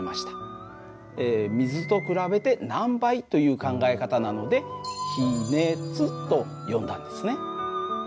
水と比べて何倍という考え方なので比熱と呼んだんですね。